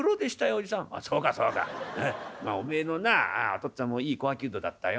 おめえのなお父っつぁんもいい小商人だったよ。